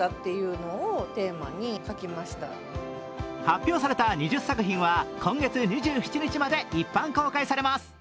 発表された２０作品は今月２７日まで一般公開されます。